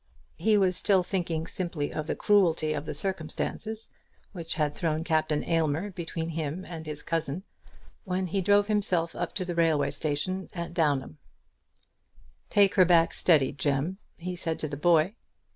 He was still thinking simply of the cruelty of the circumstances which had thrown Captain Aylmer between him and his cousin, when he drove himself up to the railway station at Downham. "Take her back steady, Jem," he said to the boy.